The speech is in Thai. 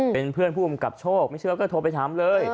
เป็นเพื่อนผู้กำกับโชคไม่เชื่อก็โทรไปถามเลย